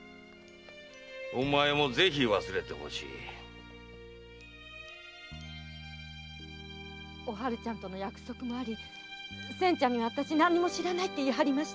〔お前もぜひ忘れてほしい〕おはるちゃんとの約束で千ちゃんに私は何も知らないと言いました。